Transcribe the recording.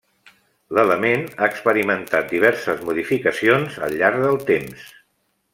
L'element ha experimentat diverses modificacions al llarg del temps.